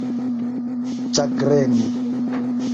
ĉagreni